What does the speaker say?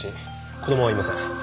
子供はいません。